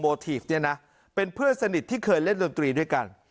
ทีฟเนี่ยนะเป็นเพื่อนสนิทที่เคยเล่นดนตรีด้วยกัน